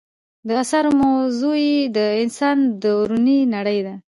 د اثارو موضوع یې د انسان دروني نړۍ ده.